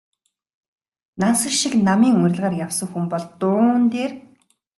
Нансал шиг намын уриалгаар явсан хүн бол дуун дээр...